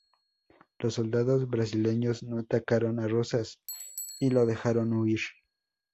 Los soldados brasileros no atacaron a Rosas y lo dejaron huir.